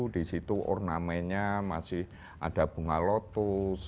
di situ ornamennya masih ada bunga lotus